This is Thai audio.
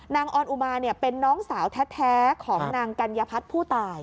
ออนอุมาเป็นน้องสาวแท้ของนางกัญญพัฒน์ผู้ตาย